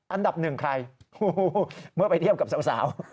อันดับหนึ่งใครเมื่อไปเทียบกับสาว